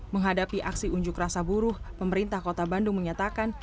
menghadapi aksi unjuk rasa buruh pemerintah kota bandung menyatakan